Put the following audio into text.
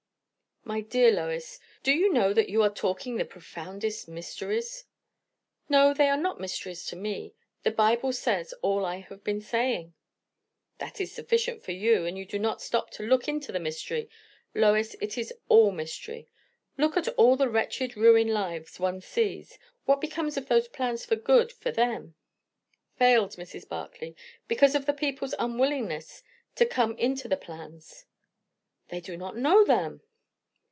"My dear Lois, do you know that you are talking the profoundest mysteries?" "No. They are not mysteries to me. The Bible says all I have been saying." "That is sufficient for you, and you do not stop to look into the mystery. Lois, it is all mystery. Look at all the wretched ruined lives one sees; what becomes of those plans for good for them?" "Failed, Mrs. Barclay; because of the people's unwillingness to come into the plans." "They do not know them!"